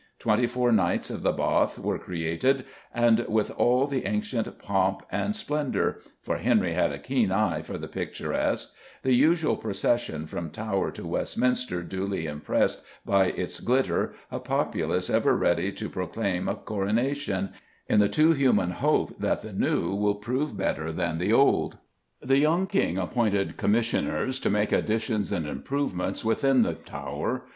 Twenty four Knights of the Bath were created, and, with all the ancient pomp and splendour for Henry had a keen eye for the picturesque the usual procession from Tower to Westminster duly impressed, by its glitter, a populace ever ready to acclaim a coronation, in the too human hope that the new will prove better than the old. The young King appointed Commissioners to make additions and improvements within the Tower.